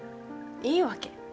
いいわけ。